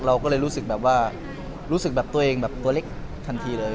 เราก็เลยรู้สึกแบบว่ารู้สึกแบบตัวเองแบบตัวเล็กทันทีเลย